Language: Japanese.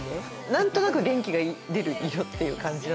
何となく元気が出る色っていう感じなので。